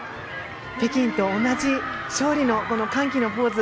北京と同じ勝利の歓喜のポーズ。